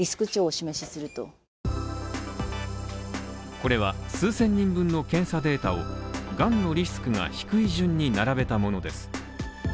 これは数千人分の検査データを、がんのリスクが低い順に並べたものです。